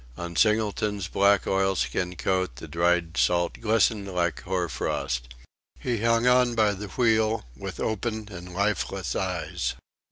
On Singleton's black oilskin coat the dried salt glistened like hoar frost. He hung on by the wheel, with open and lifeless eyes.